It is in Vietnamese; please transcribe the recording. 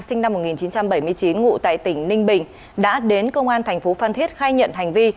sinh năm một nghìn chín trăm bảy mươi chín ngụ tại tỉnh ninh bình đã đến công an thành phố phan thiết khai nhận hành vi